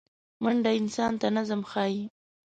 منډه انسان ته نظم ښيي